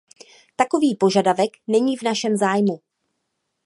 Takový požadavek není v našem zájmu.